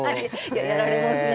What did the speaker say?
やられますね。